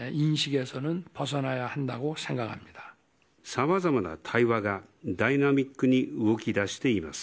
さまざまな対話がダイナミックに動きだしています。